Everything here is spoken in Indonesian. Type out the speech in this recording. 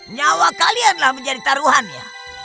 nyawa kalianlah menjadi taruhannya